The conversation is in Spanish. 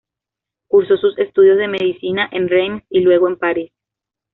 Cursó sus estudios de medicina en Reims, y luego en París.